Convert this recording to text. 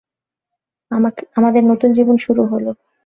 আমাদের নতুন জীবন শুরু হল।